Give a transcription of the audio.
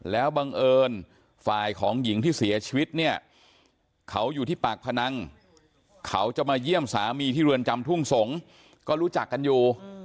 แล้วบังเอิญฝ่ายของหญิงที่เสียชีวิตเนี่ยเขาอยู่ที่ปากพนังเขาจะมาเยี่ยมสามีที่เรือนจำทุ่งสงศ์ก็รู้จักกันอยู่